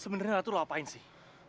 sebenernya ratu lo apain sih